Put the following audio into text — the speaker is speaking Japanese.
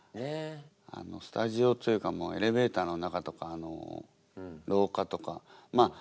スタジオというかエレベーターの中とか廊下とか。